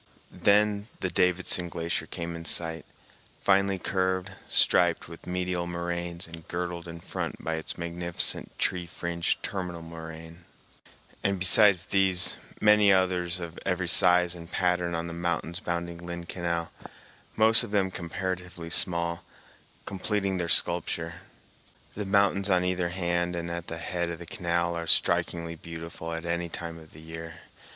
Then the Davidson Glacier came in sight, finely curved, striped with medial moraines, and girdled in front by its magnificent tree fringed terminal moraine; and besides these many others of every size and pattern on the mountains bounding Lynn Canal, most of them comparatively small, completing their sculpture. The mountains on either hand and at the head of the canal are strikingly beautiful at any time of the year.